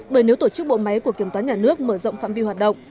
bởi nếu tổ chức bộ máy của kiểm toán nhà nước mở rộng phạm vi hoạt động